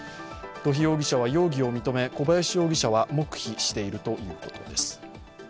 土肥容疑者は容疑を認め、小林容疑者は黙秘しているということです。